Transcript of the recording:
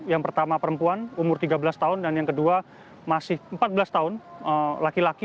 yang pertama perempuan umur tiga belas tahun dan yang kedua masih empat belas tahun laki laki